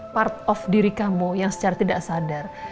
part of diri kamu yang secara tidak sadar